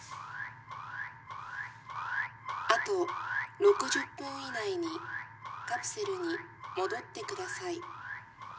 あと６０分以内にカプセルに戻ってください。